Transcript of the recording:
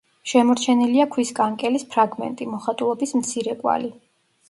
შემორჩენილია ქვის კანკელის ფრაგმენტი, მოხატულობის მცირე კვალი.